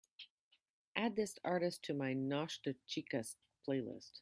add this artist to my Noche de chicas playlist